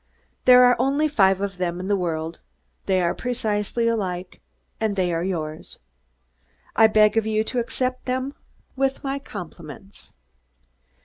There are only five of them in the world, they are precisely alike, and they are yours. I beg of you to accept them with my compliments."